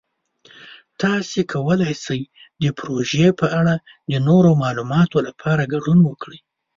تاسو کولی شئ د پروژې په اړه د نورو معلوماتو لپاره ګډون وکړئ.